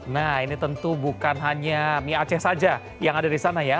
nah ini tentu bukan hanya mie aceh saja yang ada di sana ya